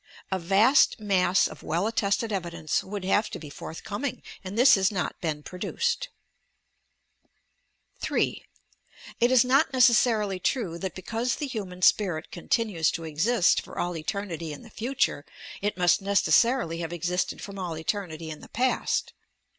A vast mass of well attested evi dence would have to be forthcoming, and this has not been produced. YOUR PSYCHIC POWERS LIFE, PAST AND PUTUHB 4 3. It is not necessarily true that because the human spirit continues to exist for all eternity in the future, it must necessarily have existed from all eternity in the past.